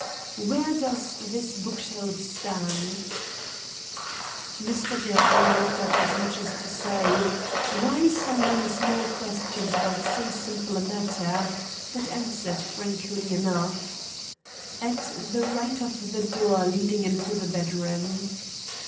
"Where does this book shelf stand?" Mr. Jeffrey looked up as much as to say, "Why so many small questions about so simple a matter?" but answered frankly enough: "At the right of the door leading into the bedroom."